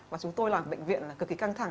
và chúng tôi làm bệnh viện là cực kỳ căng thẳng